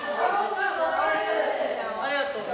ありがとう。